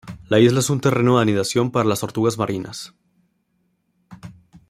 La isla es un terreno de anidación para las tortugas marinas.